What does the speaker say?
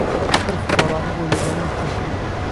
Faqir-fuqaroni o’ylaganim-chun